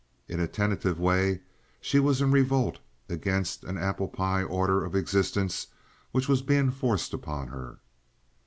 In a tentative way she was in revolt against an apple pie order of existence which was being forced upon her.